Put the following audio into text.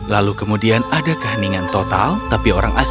lalu kemudian ada kehaningan tuhan